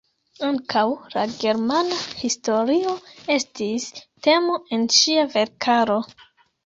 Ankaŭ la germana historio estis temo en ŝia verkaro.